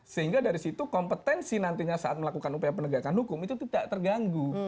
sehingga dari situ kompetensi nantinya saat melakukan upaya penegakan hukum itu tidak terganggu